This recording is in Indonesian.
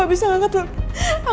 ini sebuah pemb